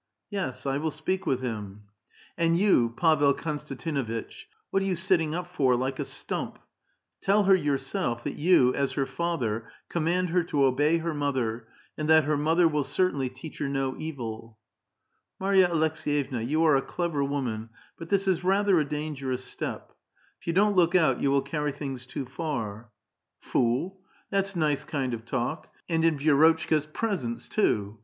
'^ Yes, I will speak with him." " And yon, Pavel Konstantinuitch, what are you sitting up for like a stump ! Tell her yourself that you, as her father, command her to obey her mother, and that her mother w^U certainly teach her no evil." " Marya Aleks^yevna, you are a clever woman, but this is rather a dangerous step ; if you don't look out, you will carry things too far." " Durdk [fool] ! that's nice kind of talk ; and in Vi^ro A VITAL QUESTION. 19 tchka's presence, too!